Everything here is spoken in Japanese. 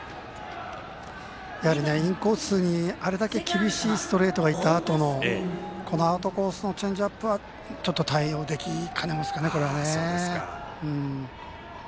やはりインコースにあれだけ厳しいストレートがいったあとのアウトコースのチェンジアップは対応できかねますかね。